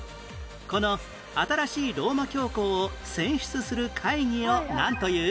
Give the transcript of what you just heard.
この新しいローマ教皇を選出する会議をなんという？